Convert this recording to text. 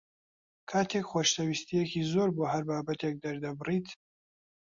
کاتێک خۆشەویستییەکی زۆر بۆ هەر بابەتێک دەردەبڕیت